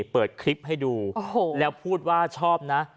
เปิดคลิปให้ดูแล้วพูดว่าชอบนะ